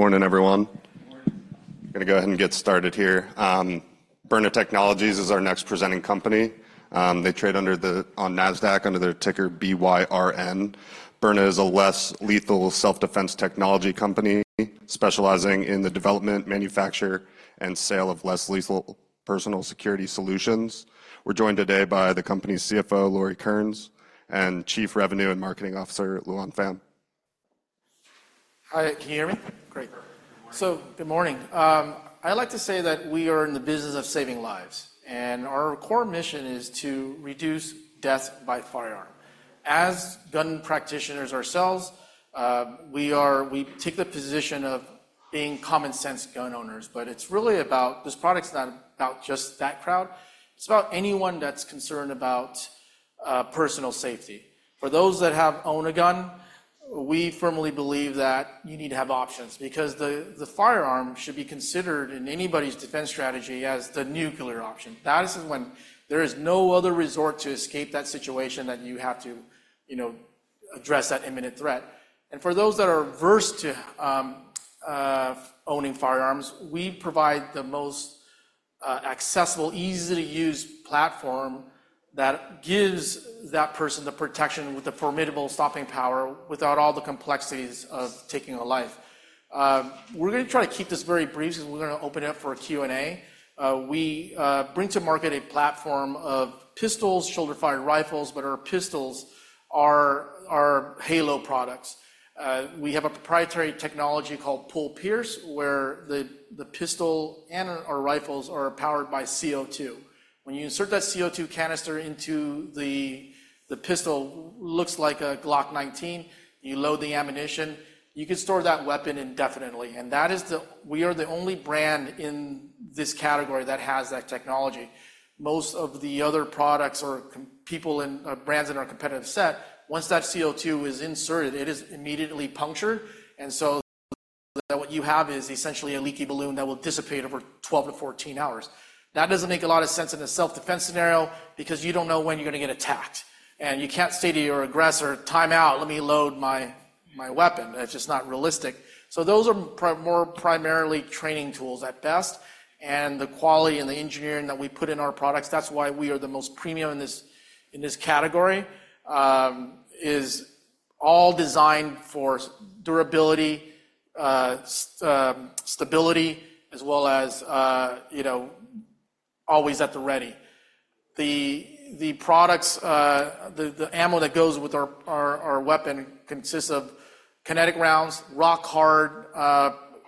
Morning, everyone. Morning. I'm gonna go ahead and get started here. Byrna Technologies is our next presenting company. They trade on NASDAQ under the ticker BYRN. Byrna is a less lethal self-defense technology company specializing in the development, manufacture, and sale of less lethal personal security solutions. We're joined today by the company's CFO, Lori Kearns, and Chief Revenue and Marketing Officer, Luan Pham. Hi, can you hear me? Great. Perfect. Good morning. Good morning. I'd like to say that we are in the business of saving lives, and our core mission is to reduce death by firearm. As gun practitioners ourselves, we are. We take the position of being common sense gun owners, but it's really about this product's not about just that crowd. It's about anyone that's concerned about personal safety. For those that have, own a gun, we firmly believe that you need to have options because the firearm should be considered in anybody's defense strategy as the nuclear option. That is when there is no other resort to escape that situation, that you have to, you know, address that imminent threat. And for those that are averse to owning firearms, we provide the most accessible, easy-to-use platform that gives that person the protection with the formidable stopping power without all the complexities of taking a life. We're gonna try to keep this very brief 'cause we're gonna open it up for a Q&A. We bring to market a platform of pistols, shoulder-fired rifles, but our pistols are halo products. We have a proprietary technology called Pull-Pierce, where the pistol and our rifles are powered by CO2. When you insert that CO2 canister into the pistol, looks like a Glock 19, you load the ammunition, you can store that weapon indefinitely, and that is - we are the only brand in this category that has that technology. Most of the other products or companies, people in brands in our competitive set, once that CO2 is inserted, it is immediately punctured, and so what you have is essentially a leaky balloon that will dissipate over 12-14 hours. That doesn't make a lot of sense in a self-defense scenario because you don't know when you're gonna get attacked, and you can't say to your aggressor, "Time out, let me load my weapon." That's just not realistic. So those are primarily training tools at best, and the quality and the engineering that we put in our products, that's why we are the most premium in this category is all designed for durability, stability, as well as, you know, always at the ready. The products, the ammo that goes with our weapon consists of kinetic rounds, rock-hard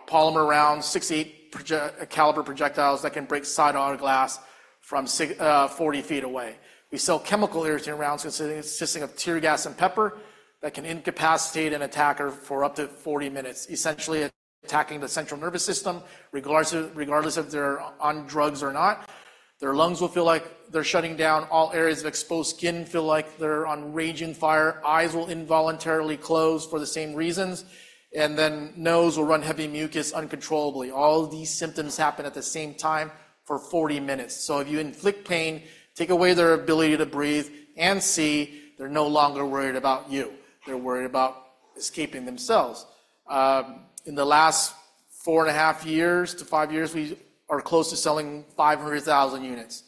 polymer rounds, .68 caliber projectiles that can break side auto glass from 60 ft away. We sell chemical irritant rounds consisting of tear gas and pepper that can incapacitate an attacker for up to 40 minutes, essentially attacking the central nervous system, regardless if they're on drugs or not. Their lungs will feel like they're shutting down. All areas of exposed skin feel like they're on raging fire. Eyes will involuntarily close for the same reasons, and then nose will run heavy mucus uncontrollably. All these symptoms happen at the same time for 40 minutes. So if you inflict pain, take away their ability to breathe and see, they're no longer worried about you. They're worried about escaping themselves. In the last four and a half years to five years, we are close to selling 500,000 units.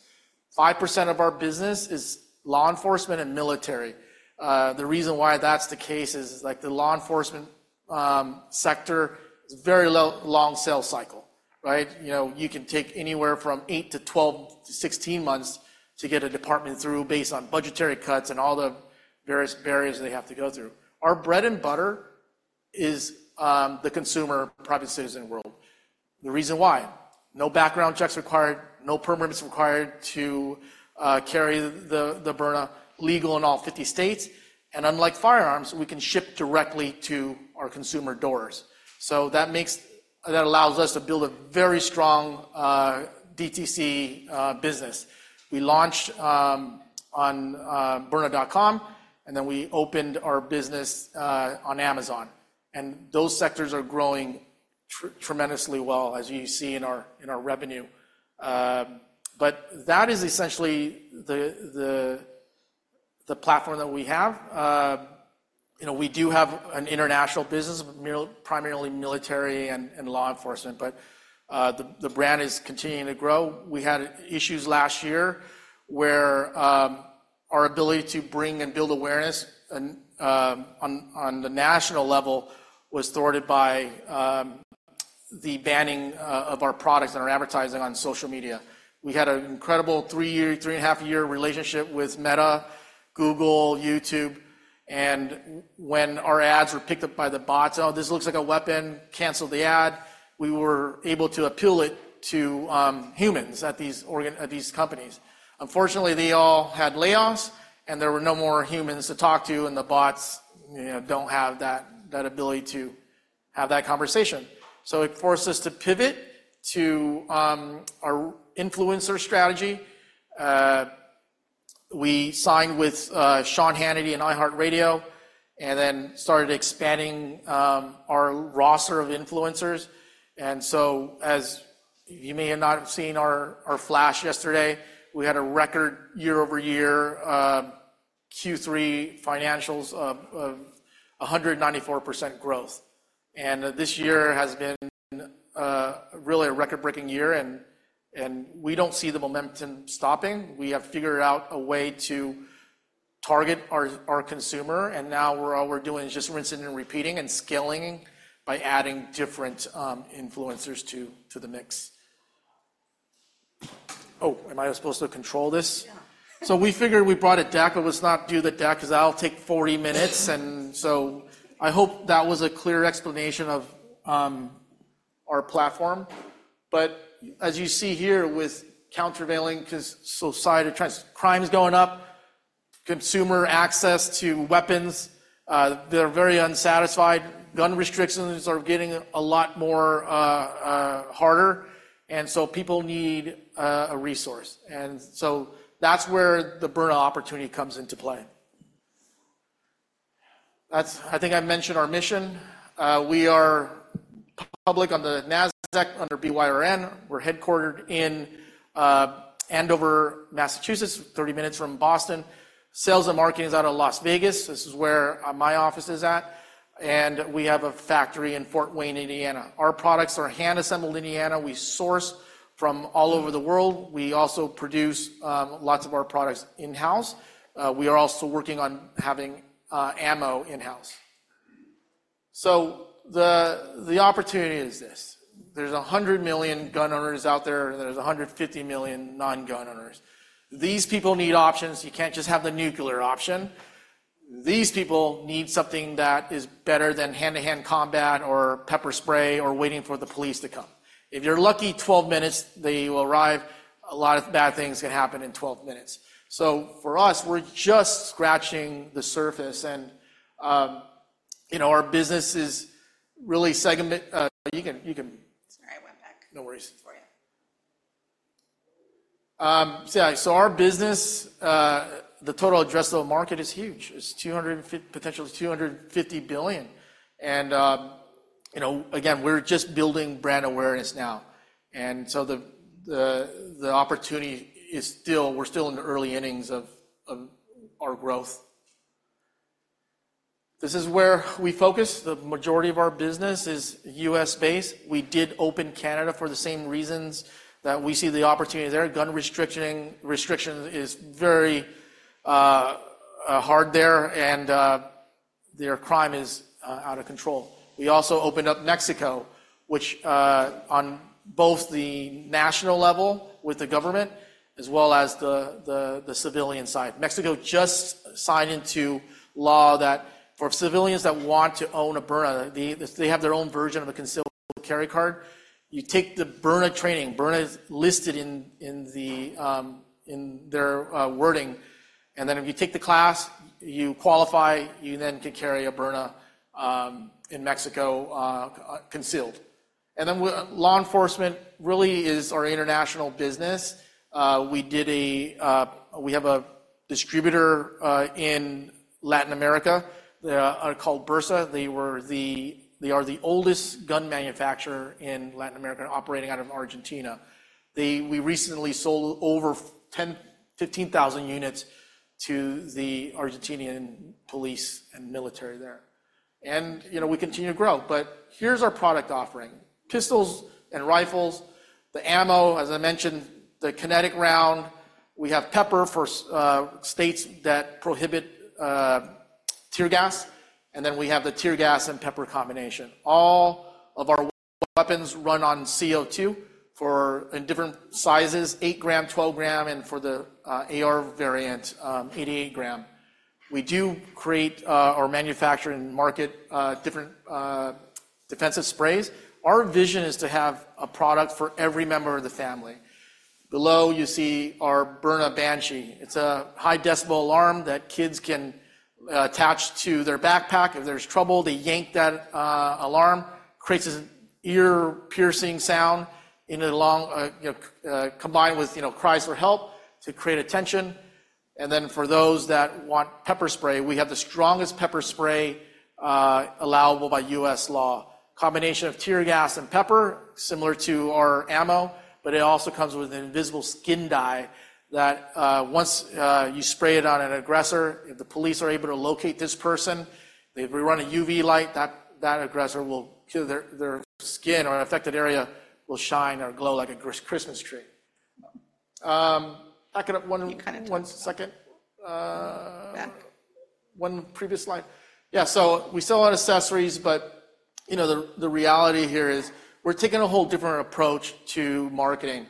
5% of our business is law enforcement and military. The reason why that's the case is, like, the law enforcement sector is very low, long sales cycle, right? You know, you can take anywhere from eight to 12 to 16 months to get a department through based on budgetary cuts and all the various barriers they have to go through. Our bread and butter is the consumer, private citizen world. The reason why, no background checks required, no permits required to carry the Byrna, legal in all 50 states, and unlike firearms, we can ship directly to our consumer doors. That allows us to build a very strong DTC business. We launched on Byrna.com, and then we opened our business on Amazon, and those sectors are growing tremendously well, as you see in our revenue. But that is essentially the platform that we have. You know, we do have an international business, primarily military and law enforcement, but the brand is continuing to grow. We had issues last year where our ability to bring and build awareness on the national level was thwarted by the banning of our products and our advertising on social media. We had an incredible three-year, three-and-a-half-year relationship with Meta, Google, YouTube, and when our ads were picked up by the bots, "Oh, this looks like a weapon. Cancel the ad," we were able to appeal it to humans at these companies. Unfortunately, they all had layoffs, and there were no more humans to talk to, and the bots, you know, don't have that ability to have that conversation. So it forced us to pivot to our influencer strategy. We signed with Sean Hannity and iHeartRadio and then started expanding our roster of influencers. And so, as you may have not have seen our flash yesterday, we had a record year-over-year Q3 financials of 194% growth. And this year has been really a record-breaking year, and we don't see the momentum stopping. We have figured out a way to target our consumer, and now all we're doing is just rinsing and repeating and scaling by adding different influencers to the mix. Oh, am I supposed to control this? Yeah. We figured we brought a deck, but let's not do the deck 'cause that'll take 40 minutes. I hope that was a clear explanation of our platform. But as you see here, with countervailing 'cause societal trends, crimes going up, consumer access to weapons, they're very unsatisfied. Gun restrictions are getting a lot more harder, and so people need a resource. That's where the Byrna opportunity comes into play. That's. I think I mentioned our mission. We are public on the NASDAQ under BYRN. We're headquartered in Andover, Massachusetts, 30 minutes from Boston. Sales and marketing is out of Las Vegas. This is where my office is at, and we have a factory in Fort Wayne, Indiana. Our products are hand-assembled in Indiana. We source from all over the world. We also produce lots of our products in-house. We are also working on having ammo in-house. So the opportunity is this: There's 100 million gun owners out there, and there's 150 million non-gun owners. These people need options. You can't just have the nuclear option. These people need something that is better than hand-to-hand combat or pepper spray or waiting for the police to come. If you're lucky, 12 minutes, they will arrive. A lot of bad things can happen in 12 minutes. So for us, we're just scratching the surface, and, you know, our business is really segment-- Sorry, I went back. No worries. For you. So yeah, so our business, the total addressable market is huge. The potential is $250 billion. And, you know, again, we're just building brand awareness now. And so the opportunity is still. We're still in the early innings of our growth. This is where we focus. The majority of our business is U.S.-based. We did open Canada for the same reasons, that we see the opportunity there. Gun restriction is very hard there, and their crime is out of control. We also opened up Mexico, which, on both the national level with the government, as well as the civilian side. Mexico just signed into law that for civilians that want to own a Byrna, they have their own version of a concealed carry card. You take the Byrna training. Byrna is listed in their wording, and then if you take the class, you qualify, you then can carry a Byrna in Mexico concealed. Law enforcement really is our international business. We have a distributor in Latin America called Bersa. They are the oldest gun manufacturer in Latin America, operating out of Argentina. We recently sold over 10,000-15,000 units to the Argentinian police and military there. And, you know, we continue to grow. But here's our product offering: pistols and rifles, the ammo, as I mentioned, the kinetic round. We have pepper for states that prohibit tear gas, and then we have the tear gas and pepper combination. All of our weapons run on CO2 in different sizes, eight gram, 12 gram, and for the AR variant, eighty-eight gram. We do create or manufacture and market different defensive sprays. Our vision is to have a product for every member of the family. Below, you see our Byrna Banshee. It's a high-decibel alarm that kids can attach to their backpack. If there's trouble, they yank that alarm. It creates this ear-piercing sound in a long you know combined with you know cries for help to create attention. And then for those that want pepper spray, we have the strongest pepper spray allowable by U.S. law. Combination of tear gas and pepper, similar to our ammo, but it also comes with an invisible skin dye that, once you spray it on an aggressor, if the police are able to locate this person, if they run a UV light, that aggressor will, their skin or affected area will shine or glow like a Christmas tree. You kind of- One second. Back. One previous slide. Yeah, so we sell a lot of accessories, but, you know, the reality here is we're taking a whole different approach to marketing.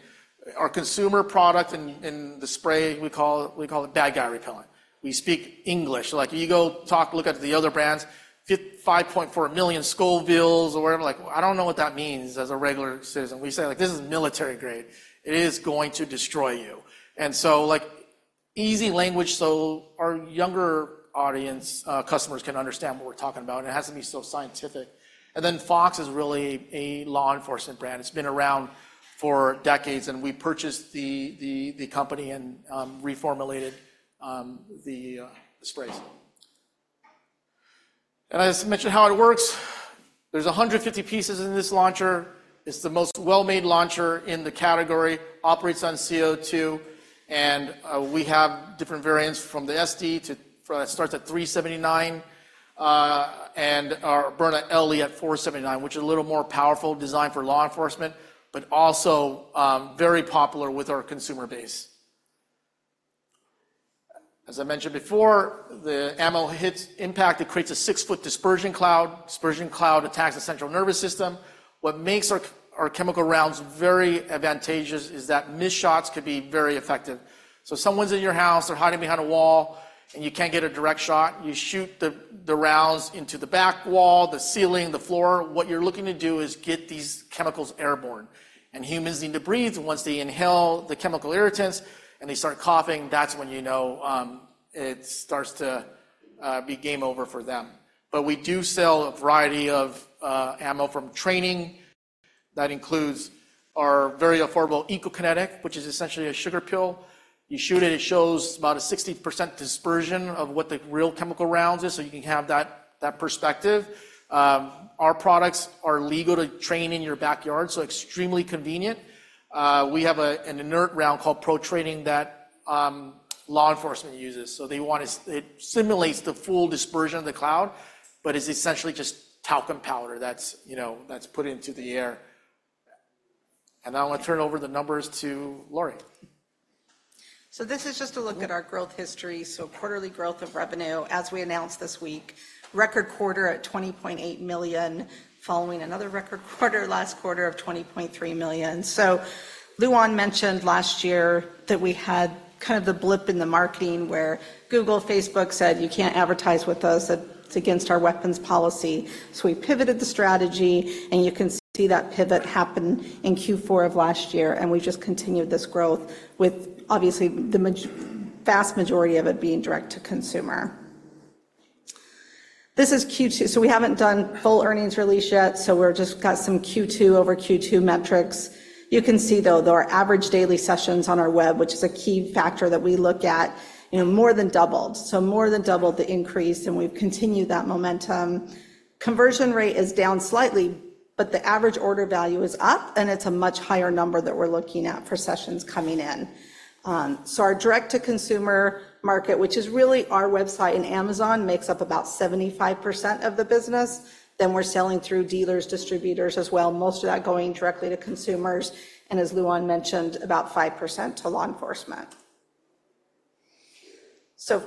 Our consumer product in the spray, we call it Bad Guy Repellent. We speak English. Like, you go talk, look at the other brands, 5.4 million Scovilles or whatever. Like, I don't know what that means as a regular citizen. We say, like, "This is military grade. It is going to destroy you." And so, like, easy language, so our younger audience, customers can understand what we're talking about, and it hasn't been so scientific. Then Fox is really a law enforcement brand. It's been around for decades, and we purchased the company and reformulated the sprays. I just mentioned how it works. There's 150 pieces in this launcher. It's the most well-made launcher in the category, operates on CO2, and we have different variants from the SD that starts at $379, and our Byrna LE at $479, which is a little more powerful, designed for law enforcement, but also very popular with our consumer base. As I mentioned before, the ammo hits impact. It creates a six-foot dispersion cloud. Dispersion cloud attacks the central nervous system. What makes our chemical rounds very advantageous is that missed shots could be very effective. So if someone's in your house, they're hiding behind a wall, and you can't get a direct shot, you shoot the rounds into the back wall, the ceiling, the floor. What you're looking to do is get these chemicals airborne, and humans need to breathe. Once they inhale the chemical irritants, and they start coughing, that's when you know it starts to be game over for them. But we do sell a variety of ammo from training. That includes our very affordable Eco-Kinetic, which is essentially a sugar pill. You shoot it, it shows about a 60% dispersion of what the real chemical rounds is, so you can have that perspective. Our products are legal to train in your backyard, so extremely convenient. We have an inert round called ProTraining that law enforcement uses. It simulates the full dispersion of the cloud, but it's essentially just talcum powder that's, you know, that's put into the air. Now I want to turn over the numbers to Lori. So this is just a look at our growth history. Quarterly growth of revenue, as we announced this week, record quarter at $20.8 million, following another record quarter, last quarter of $20.3 million. Luan mentioned last year that we had kind of the blip in the marketing where Google, Facebook said, "You can't advertise with us. It's against our weapons policy." We pivoted the strategy, and you can see that pivot happened in Q4 of last year, and we just continued this growth with obviously the vast majority of it being direct to consumer. This is Q2, so we haven't done full earnings release yet, so we just got some Q2 over Q2 metrics. You can see, though, that our average daily sessions on our web, which is a key factor that we look at, you know, more than doubled. So more than doubled the increase, and we've continued that momentum. Conversion rate is down slightly, but the average order value is up, and it's a much higher number that we're looking at for sessions coming in. So our direct-to-consumer market, which is really our website, and Amazon makes up about 75% of the business. Then we're selling through dealers, distributors as well, most of that going directly to consumers, and as Luan mentioned, about 5% to law enforcement. So,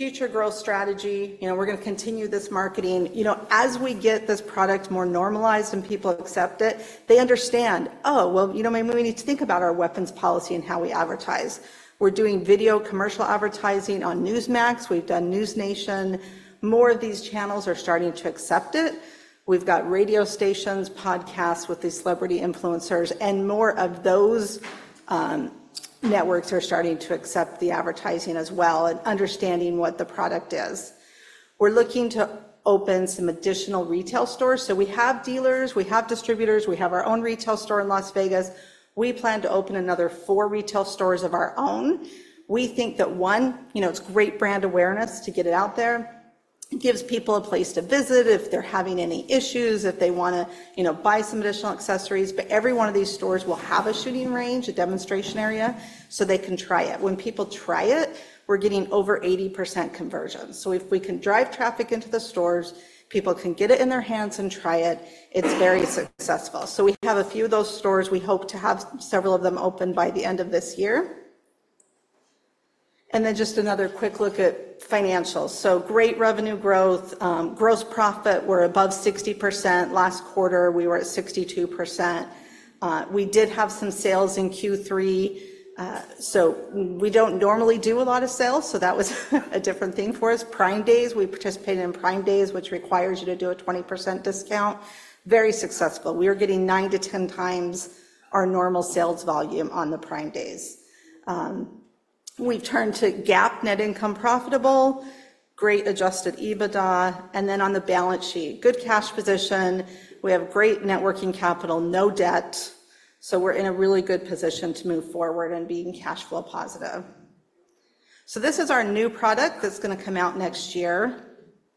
future growth strategy, you know, we're going to continue this marketing. You know, as we get this product more normalized and people accept it, they understand, "Oh, well, you know, maybe we need to think about our weapons policy and how we advertise." We're doing video commercial advertising on Newsmax. We've done NewsNation. More of these channels are starting to accept it. We've got radio stations, podcasts with these celebrity influencers, and more of those networks are starting to accept the advertising as well and understanding what the product is. We're looking to open some additional retail stores. So we have dealers, we have distributors, we have our own retail store in Las Vegas. We plan to open another four retail stores of our own. We think that, one, you know, it's great brand awareness to get it out there. It gives people a place to visit if they're having any issues, if they wanna, you know, buy some additional accessories. But every one of these stores will have a shooting range, a demonstration area, so they can try it. When people try it, we're getting over 80% conversion. So if we can drive traffic into the stores, people can get it in their hands and try it, it's very successful. So we have a few of those stores. We hope to have several of them open by the end of this year. And then just another quick look at financials. So great revenue growth. Gross profit were above 60%. Last quarter, we were at 62%. We did have some sales in Q3. So we don't normally do a lot of sales, so that was a different thing for us. Prime Days, we participated in Prime Days, which requires you to do a 20% discount. Very successful. We are getting nine to 10 times our normal sales volume on the Prime Days. We've turned to GAAP net income profitable, great adjusted EBITDA, and then on the balance sheet, good cash position. We have great net working capital, no debt, so we're in a really good position to move forward and being cash flow positive. So this is our new product that's going to come out next year.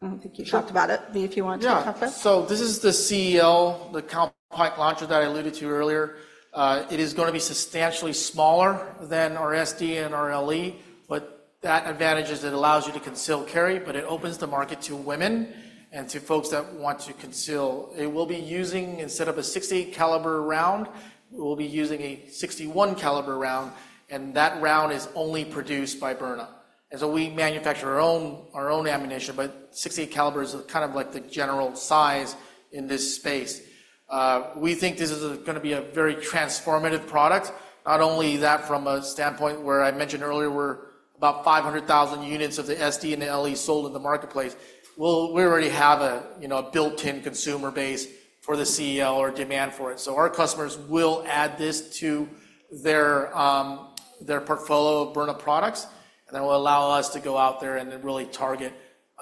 I think you talked about it. Luan, if you want to talk about it. Yeah. So this is the CEl, the compact launcher that I alluded to earlier. It is going to be substantially smaller than our SD and our LE, but that advantage is it allows you to conceal carry, but it opens the market to women and to folks that want to conceal. It will be using, instead of a 68 caliber round, we'll be using a 61 caliber round, and that round is only produced by Byrna. And so we manufacture our own, our own ammunition, but .68 caliber is kind of like the general size in this space. We think this is gonna be a very transformative product. Not only that, from a standpoint where I mentioned earlier, we're about 500,000 units of the SD and the LE sold in the marketplace. Well, we already have, you know, a built-in consumer base for the CEL or demand for it. So our customers will add this to their portfolio of Byrna products, and that will allow us to go out there and then really target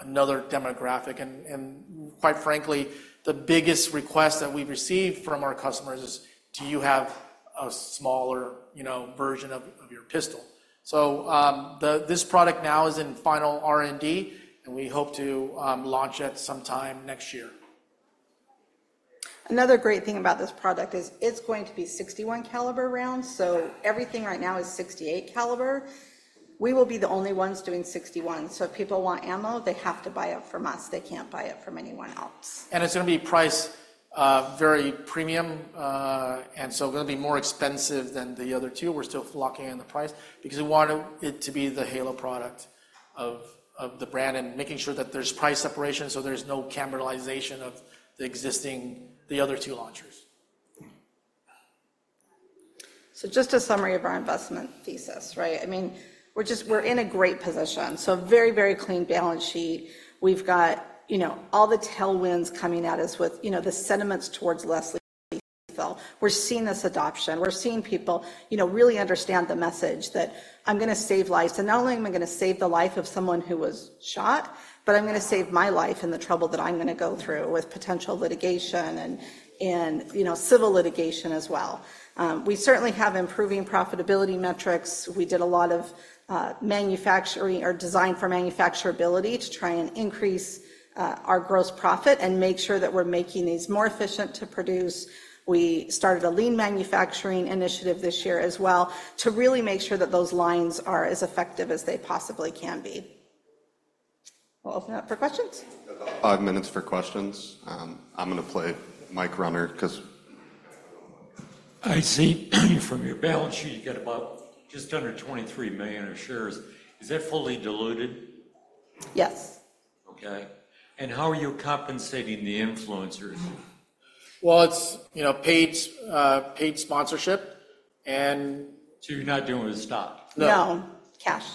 another demographic. And quite frankly, the biggest request that we've received from our customers is: Do you have a smaller, you know, version of your pistol? So, this product now is in final R&D, and we hope to launch it sometime next year. Another great thing about this product is it's going to be 61 caliber rounds, so everything right now is 68 caliber. We will be the only ones doing 61, so if people want ammo, they have to buy it from us. They can't buy it from anyone else. It's going to be priced very premium, and so it's going to be more expensive than the other two. We're still locking in the price because we want it to be the halo product of the brand and making sure that there's price separation, so there's no cannibalization of the existing, the other two launchers. So just a summary of our investment thesis, right? I mean, we're in a great position, so very, very clean balance sheet. We've got, you know, all the tailwinds coming at us with, you know, the sentiments towards less lethal. We're seeing this adoption. We're seeing people, you know, really understand the message that I'm going to save lives, and not only am I going to save the life of someone who was shot, but I'm going to save my life and the trouble that I'm going to go through with potential litigation and, you know, civil litigation as well. We certainly have improving profitability metrics. We did a lot of manufacturing or design for manufacturability to try and increase our gross profit and make sure that we're making these more efficient to produce. We started a lean manufacturing initiative this year as well to really make sure that those lines are as effective as they possibly can be. We'll open it up for questions. We've got about five minutes for questions. I'm going to play mic runner 'cause- I see from your balance sheet, you got about just under 23 million of shares. Is that fully diluted? Yes. Okay, and how are you compensating the influencers? It's, you know, paid sponsorship, and- So you're not doing it with stock? No, cash.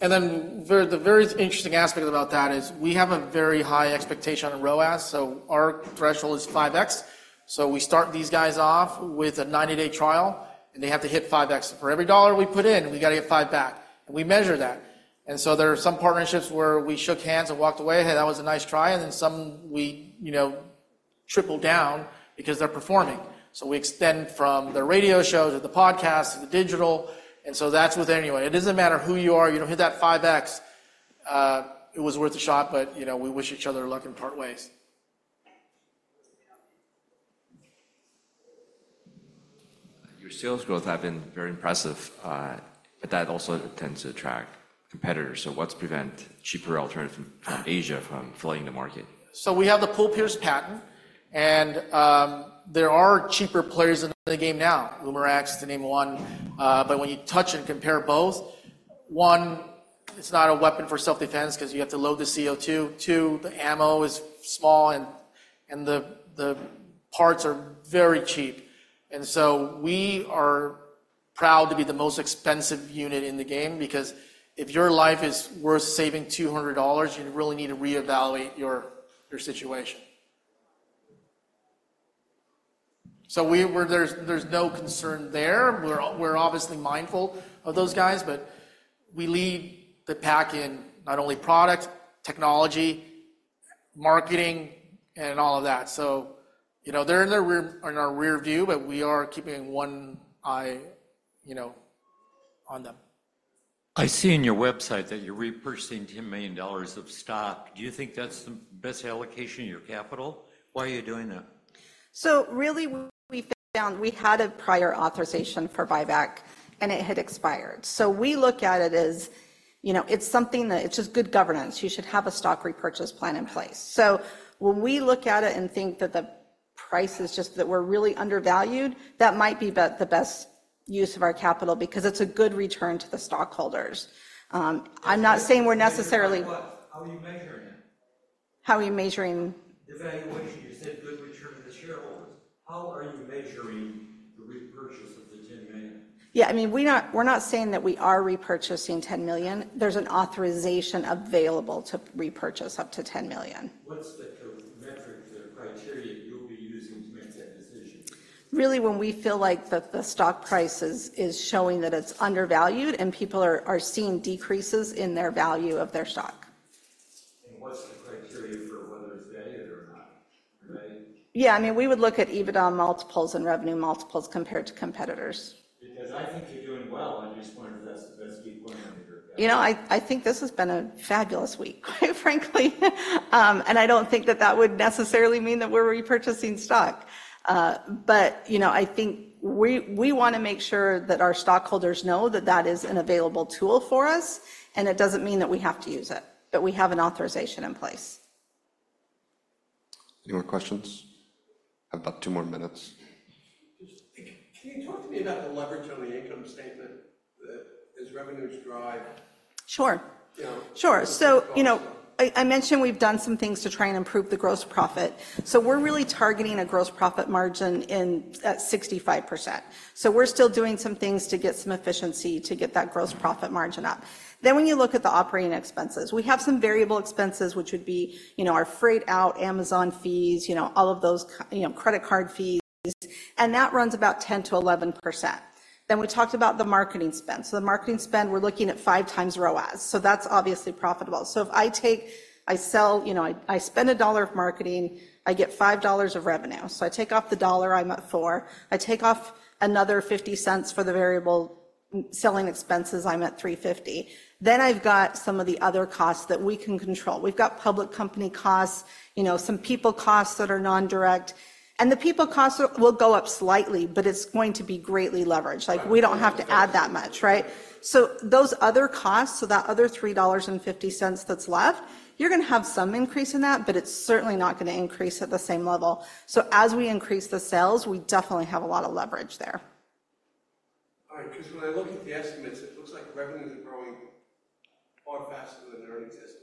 And then the very interesting aspect about that is we have a very high expectation on ROAS, so our threshold is five X. So we start these guys off with a 90-day trial, and they have to hit five X. For every dollar we put in, we got to get five back, and we measure that. And so there are some partnerships where we shook hands and walked away, "Hey, that was a nice try," and then some we, you know, triple down because they're performing. So we extend from the radio show to the podcast to the digital, and so that's with anyone. It doesn't matter who you are, you don't hit that five X, it was worth a shot, but, you know, we wish each other luck and part ways. Your sales growth have been very impressive, but that also tends to attract competitors. So what's prevent cheaper alternative from Asia from flooding the market? So we have the Pull-Pierce patent, and there are cheaper players in the game now, Umarex, to name one. But when you touch and compare both, one, it's not a weapon for self-defense 'cause you have to load the CO2. Two, the ammo is small, and the parts are very cheap. And so we are proud to be the most expensive unit in the game because if your life is worth saving $200, you really need to reevaluate your situation. So, there's no concern there. We're obviously mindful of those guys, but we lead the pack in not only product, technology, marketing, and all of that. So, you know, they're in our rearview, but we are keeping one eye, you know, on them. I see on your website that you're repurchasing $10 million of stock. Do you think that's the best allocation of your capital? Why are you doing that? So really, we found we had a prior authorization for buyback, and it had expired. So we look at it as, you know, it's something that, it's just good governance. You should have a stock repurchase plan in place. So when we look at it and think that the price is just, that we're really undervalued, that might be the best use of our capital because it's a good return to the stockholders. I'm not saying we're necessarily- How are you measuring it? How are we measuring...? The valuation. You said good return to the shareholders. How are you measuring the repurchase of the $10 million? Yeah, I mean, we're not, we're not saying that we are repurchasing 10 million. There's an authorization available to repurchase up to 10 million. What's the metric, the criteria you'll be using to make that decision? Really, when we feel like the stock price is showing that it's undervalued and people are seeing decreases in their value of their stock. What's the criteria for whether it's valued or not? Right? Yeah, I mean, we would look at EBITDA multiples and revenue multiples compared to competitors. Because I think you're doing well. I just wondered if that's the best deployment of your- You know, I think this has been a fabulous week, quite frankly. And I don't think that that would necessarily mean that we're repurchasing stock. But, you know, I think we want to make sure that our stockholders know that that is an available tool for us, and it doesn't mean that we have to use it, but we have an authorization in place. Any more questions? Have about two more minutes. Just, can you talk to me about the leverage on the income statement that as revenues drive? Sure. You know? Sure. You know, I mentioned we've done some things to try and improve the gross profit, so we're really targeting a gross profit margin at 65%, so we're still doing some things to get some efficiency to get that gross profit margin up. Then, when you look at the operating expenses, we have some variable expenses, which would be, you know, our freight out, Amazon fees, you know, all of those, you know, credit card fees, and that runs about 10%-11%. Then, we talked about the marketing spend, so the marketing spend, we're looking at five times ROAS, so that's obviously profitable. So if I take... you know, I spend $1 of marketing, I get $5 of revenue, so I take off the $1, I'm at $4. I take off another $0.50 for the variable... Selling expenses, I'm at $3.50. Then I've got some of the other costs that we can control. We've got public company costs, you know, some people costs that are non-direct, and the people costs will go up slightly, but it's going to be greatly leveraged. Like, we don't have to add that much, right? So those other costs, so that other $3.50 that's left, you're gonna have some increase in that, but it's certainly not gonna increase at the same level. So as we increase the sales, we definitely have a lot of leverage there. All right, 'cause when I look at the estimates, it looks like revenues are growing far faster than earnings estimates at this point. Maybe I- Yeah. I'm gonna look at the numbers.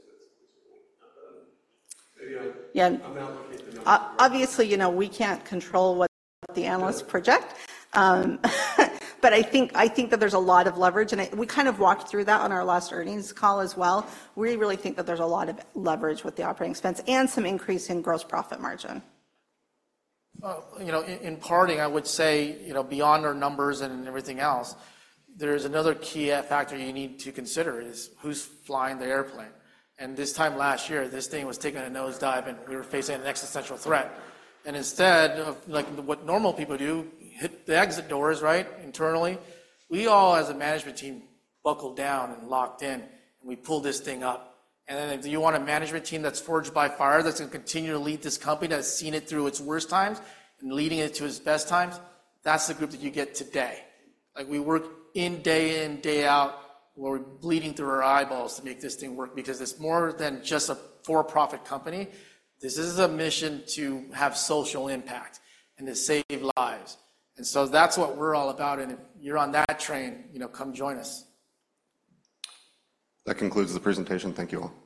Obviously, you know, we can't control what the analysts project. But I think that there's a lot of leverage, and we kind of walked through that on our last earnings call as well. We really think that there's a lot of leverage with the operating expense and some increase in gross profit margin. You know, in parting, I would say, you know, beyond our numbers and everything else, there's another key factor you need to consider is who's flying the airplane? And this time last year, this thing was taking a nosedive, and we were facing an existential threat. And instead of like what normal people do, hit the exit doors, right, internally, we all, as a management team, buckled down and locked in, and we pulled this thing up. And then, if you want a management team that's forged by fire, that's gonna continue to lead this company, that has seen it through its worst times and leading it to its best times, that's the group that you get today. Like, we work in, day in, day out, we're bleeding through our eyeballs to make this thing work because it's more than just a for-profit company. This is a mission to have social impact and to save lives, and so that's what we're all about, and if you're on that train, you know, come join us. That concludes the presentation. Thank you, all.